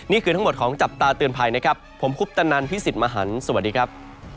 นี่คือทั้งหมดของจับตาเตือนภัยนะครับผมคุปตนันพี่สิทธิ์มหันฯสวัสดีครับ